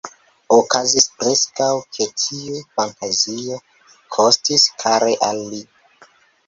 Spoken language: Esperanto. Okazis preskaŭ, ke tiu fantazio kostis kare al li.